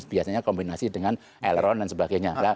biasanya kombinasi dengan aileron dan sebagainya